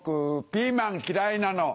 ピーマン嫌いなの。